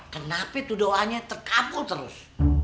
kenapa itu doanya terkapu terus